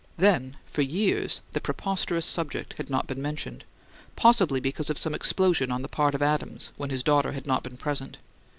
Then, for years, the preposterous subject had not been mentioned; possibly because of some explosion on the part of Adams, when his daughter had not been present.